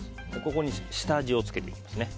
ここに下味をつけていきますね。